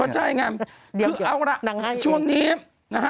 เข้าใจไงเอาล่ะช่วงนี้นะฮะ